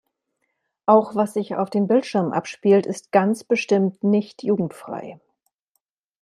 Auch was sich auf den Bildschirmen abspielt ist ganz bestimmt nicht jugendfrei.